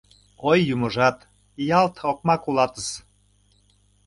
Ой, юмыжат, ялт окмак улатыс!